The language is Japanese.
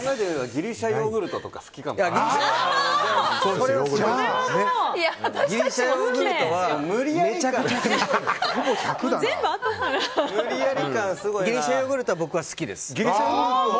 ギリシャヨーグルトは僕は好きです。